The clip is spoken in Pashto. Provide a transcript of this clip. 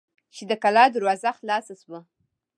چې د کلا دروازه خلاصه شوه.